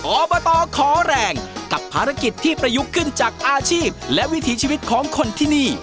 อบตขอแรงกับภารกิจที่ประยุกต์ขึ้นจากอาชีพและวิถีชีวิตของคนที่นี่